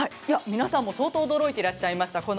皆さんも相当驚いていらっしゃいました。